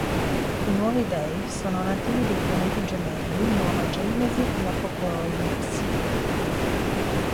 I Nuovi Dei sono nativi dei pianeti gemelli Nuova Genesi e Apokolips.